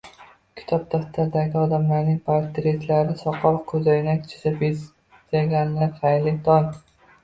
Kitob, daftardagi odamlarning portretlariga soqol, ko'zoynak chizib "bezaganlar", xayrli tong!